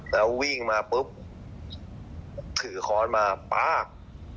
แล้ววิ่งมาปุ๊บถือค้อนมาป๊าก